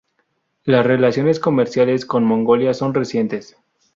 Las relaciones comerciales con Mongolia son recientes.